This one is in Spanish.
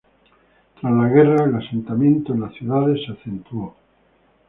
Tras la guerra el asentamiento en las ciudades se acentuó.